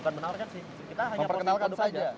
bukan menawarkan sih kita hanya memperkenalkan saja